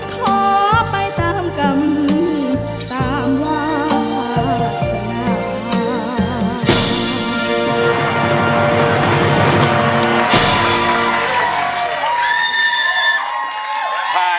ขอไปตามกำตามวาสา